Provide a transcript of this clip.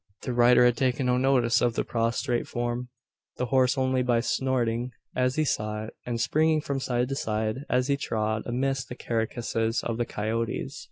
The rider had taken no notice of the prostrate form; the horse only by snorting, as he saw it, and springing from side to side, as he trod amidst the carcases of the coyotes.